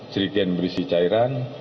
sedikit berisi cairan